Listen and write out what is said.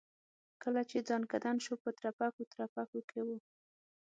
کله چې ځنکدن شو په ترپکو ترپکو کې و.